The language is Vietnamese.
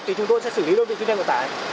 thì chúng tôi sẽ xử lý đơn vị chuyên gia cộng tài